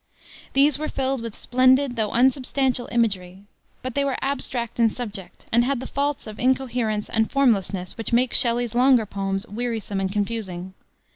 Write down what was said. These were filled with splendid, though unsubstantial, imagery, but they were abstract in subject, and had the faults of incoherence and formlessness which make Shelley's longer poems wearisome and confusing.